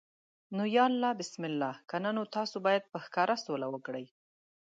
نو یا الله بسم الله، کنه نو تاسو باید په ښکاره سوله وکړئ.